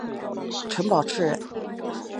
陈宝炽人。